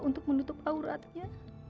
untuk menutup auratnya